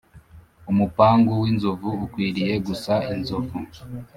umupangu w’inzovu ukwiriye gusa inzovu.